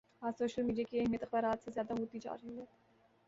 آج social media کی اہمیت اخبارات سے زیادہ ہوتی جا رہی ہے